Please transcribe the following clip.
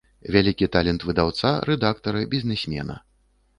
Вялікі талент выдаўца, рэдактара, бізнэсмена.